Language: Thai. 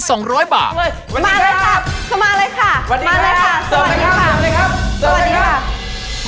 สวัสดีครับ